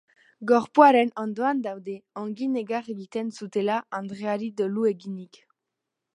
Gorpuaren ondoan daude, ongi negar egiten zutela andereari dolu eginik.